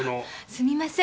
すみません。